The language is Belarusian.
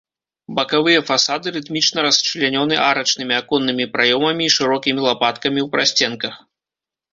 Бакавыя фасады рытмічна расчлянёны арачнымі аконнымі праёмамі і шырокімі лапаткамі ў прасценках.